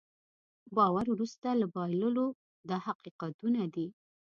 باور وروسته له بایللو دا حقیقتونه دي.